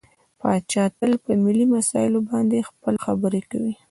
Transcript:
پاچا تل په ملي مسايلو باندې خپله خبرې کوي .